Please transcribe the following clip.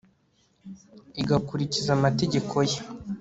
igakurikiza amategeko ye